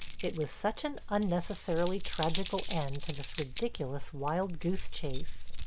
It was such an unnecessarily tragical end to this ridiculous wild goose chase.